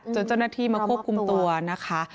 เจ้าหน้าที่มาควบคุมตัวนะคะ